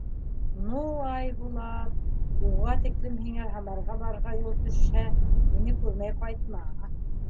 Ну, Айбулат, уға тиклем һиңә Һамарға барырға юл төшһә, мине күрмәй ҡайтма.